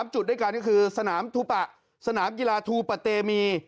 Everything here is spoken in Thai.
จุดด้วยกันก็คือสนามทูปะสนามกีฬาทูปะเตมี